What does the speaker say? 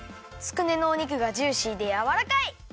つくねのお肉がジューシーでやわらかい！